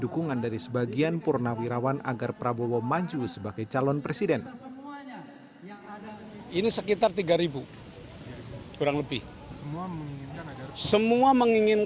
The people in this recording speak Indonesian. dukungan dari sebagian purnawirawan agar prabowo maju sebagai calon presiden